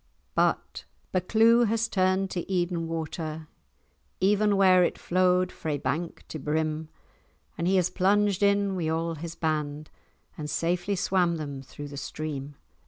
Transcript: But— "Buccleuch has turn'd to Eden water Even where it flowed frae bank to brim, And he has plunged in wi' a' his band, And safely swam them through the stream.